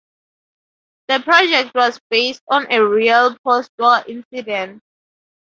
The project was based on a real postwar incident.